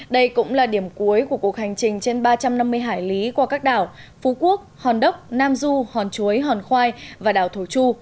đây cũng là điểm cuối của cuộc hành trình trên ba trăm năm mươi hải lý qua các đảo phú quốc hòn đốc nam du hòn chuối hòn khoai và đảo thổ chu